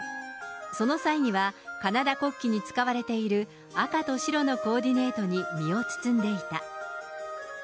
その際には、カナダ国旗に使われている赤と白のコーディネートに身を包んでいた。